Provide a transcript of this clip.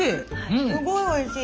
すごいおいしい。